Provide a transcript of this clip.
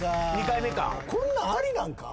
２回目か。